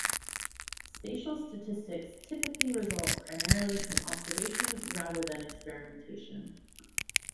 Spatial statistics typically result primarily from observation rather than experimentation.